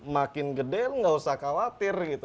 makin gede lu gak usah khawatir gitu